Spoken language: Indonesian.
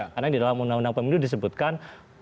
karena di dalam undang undang pemilu disebutkan